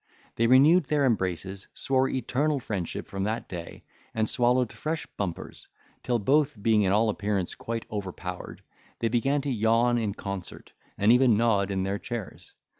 They renewed their embraces, swore eternal friendship from that day, and swallowed fresh bumpers, till both being in all appearance quite overpowered, they began to yawn in concert, and even nod in their chairs.